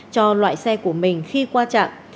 cho loại xe của mình khi qua trạm